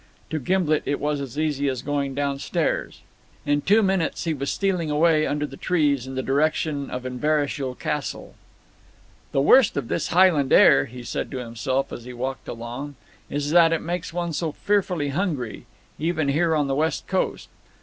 To Gimblet it was as easy as going downstairs. In two minutes he was stealing away under the trees in the direction of Inverashiel Castle. "The worst of this Highland air," he said to himself as he walked along, "is that it makes one so fearfully hungry, even here on the West Coast.